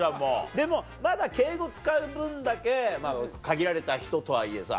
でもまだ敬語使う分だけ限られた人とはいえさ。